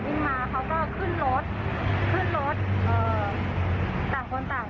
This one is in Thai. ขึ้นรถเอ่อต่างคนต่างขึ้นรถแล้วก็หนิ่มไปอะค่ะ